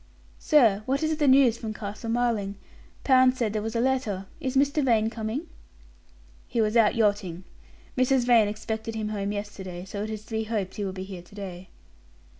"Sir, what is the news from Castle Marling? Pound said there was a letter. Is Mr. Vane coming?" "He was out yachting. Mrs. Vane expected him home yesterday, so it is to be hoped he will be here to day."